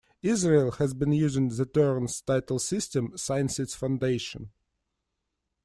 Israel has been using the Torrens Title system since its foundation.